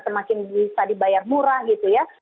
semakin bisa dibayar murah gitu ya